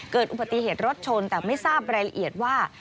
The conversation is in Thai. เกิดอุบัติเหตุรถชนแต่ไม่ทราบรายละเอียดว่า